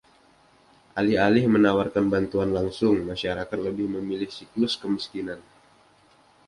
Alih-alih menawarkan bantuan langsung, masyarakat lebih memilih siklus kemiskinan.